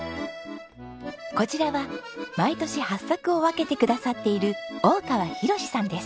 こちらは毎年ハッサクを分けてくださっている大川廣さんです。